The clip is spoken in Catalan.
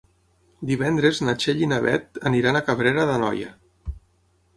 Divendres na Txell i na Beth aniran a Cabrera d'Anoia.